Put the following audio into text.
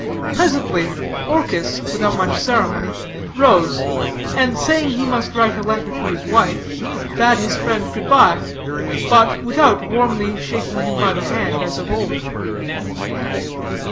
Presently, Orchis, without much ceremony, rose, and saying he must write a letter to his wife, bade his friend good bye, but without warmly shaking him by the hand as of old.